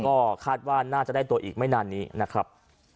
ตอนปิดแล้วก็คาดว่าน่าจะได้ตัวอีกไม่นานนี้นะครับ